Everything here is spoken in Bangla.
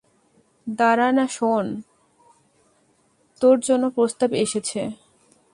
দাড়া না শোন, তোর জন্য প্রস্তাব এসেছে।